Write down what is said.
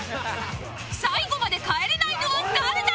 最後まで帰れないのは誰だ？